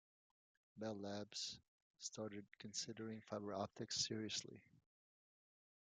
Bell Labs started considering fiber optics seriously.